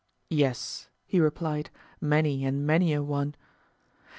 Yes, he replied, many and many a one.